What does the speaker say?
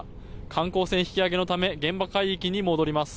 観光船引き揚げのため現場海域に戻ります。